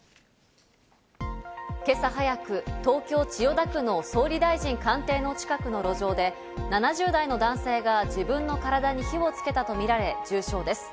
今朝早く、東京・千代田区の総理大臣官邸の近くの路上で、７０代の男性が自分の体に火をつけたとみられ重傷です。